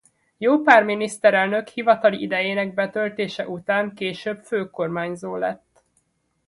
Jó pár miniszterelnök hivatali idejének betöltése után később főkormányzó lett.